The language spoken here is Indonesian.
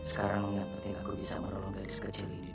sekarang yang penting aku bisa merolong gadis kecil ini dulu